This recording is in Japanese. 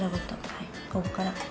はいここから。